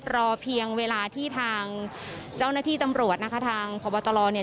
รอเพียงเวลาที่ทางเจ้าหน้าที่ตำรวจนะคะทางพบตรเนี่ย